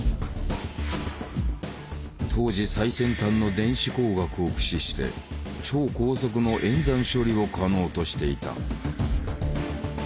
当時最先端の電子工学を駆使して超高速の演算処理を可能としていた。